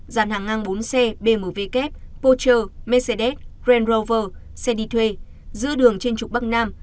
giàn hàng ngang bốn xe bmw kép porsche mercedes grand rover xe đi thuê giữ đường trên trục bắc nam